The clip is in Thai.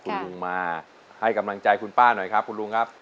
คุณลุงมาให้กำลังใจคุณป้าหน่อยครับคุณลุงครับ